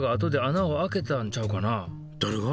だれが？